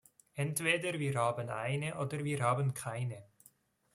Entweder wir haben eine oder wir haben keine.